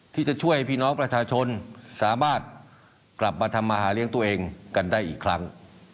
ที่จะช่วยพี่น้องประชาชนสามารถกลับมาทำมาหาเลี้ยงตัวเองกันได้อีกครั้ง